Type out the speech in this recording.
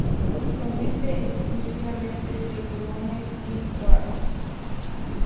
Consiste exclusivamente de gluones, sin quarks.